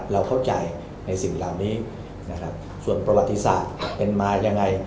เราเข้าใจในสิ่งเหล่านี้นะครับส่วนประวัติศาสตร์เป็นมายังไง